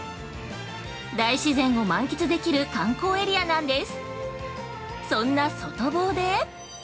大自然を満喫できる観光エリアなんです。